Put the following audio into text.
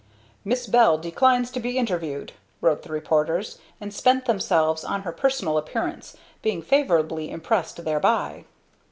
"Miss Bell Declines to Be Interviewed," wrote the reporters, and spent themselves on her personal appearance, being favorably impressed thereby.